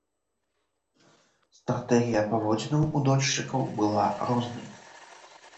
Стратэгія паводзінаў у дольшчыкаў была рознай.